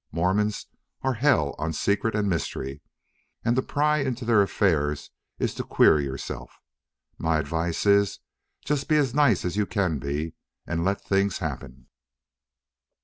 Mormons are hell on secret and mystery, and to pry into their affairs is to queer yourself. My advice is just be as nice as you can be, and let things happen."